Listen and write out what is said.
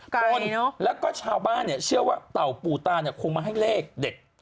ไกลเนอะต้นแล้วก็ชาวบ้านเชื่อว่าเต่าปูต้าคงมาให้เลขเด็ด